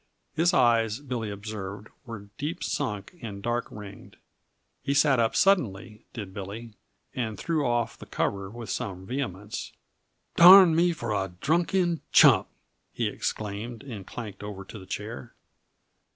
His eyes, Billy observed, were deep sunk and dark ringed. He sat up suddenly did Billy, and threw off the cover with some vehemence. "Darn me for a drunken chump!" he exclaimed, and clanked over to the chair.